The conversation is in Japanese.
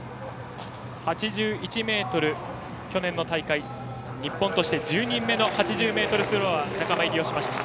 ８１ｍ、去年の大会、日本として１０年目の８０ｍスローワーに仲間入りしました。